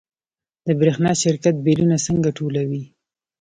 د برښنا شرکت بیلونه څنګه ټولوي؟